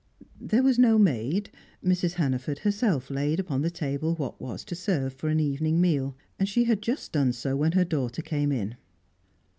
There was no maid Mrs. Hannaford herself laid upon the table what was to serve for an evening meal; and she had just done so when her daughter came in.